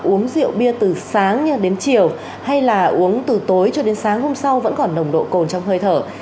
uống rượu bia từ sáng đến chiều hay là uống từ tối cho đến sáng hôm sau vẫn còn nồng độ cồn trong hơi thở